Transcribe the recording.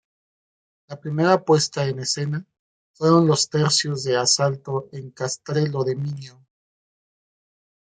La primera puesta en escena fueron los tercios de asalto en Castrelo de Miño.